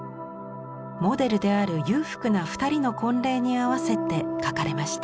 モデルである裕福な２人の婚礼に合わせて描かれました。